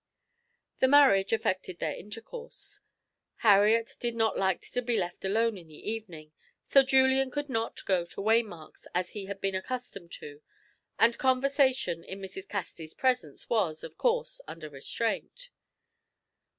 The marriage affected their intercourse. Harriet did not like to be left alone in the evening, so Julian could not go to Waymark's, as he had been accustomed to, and conversation in Mrs. Casti's presence was, of course, under restraint.